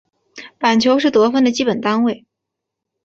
板球是得分的基本单位。